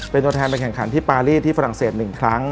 เป็นตัวแทนไปแข่งขันที่ปารีสที่ฝรั่งเศส๑ครั้ง